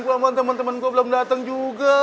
gue sama temen temen gue belum dateng juga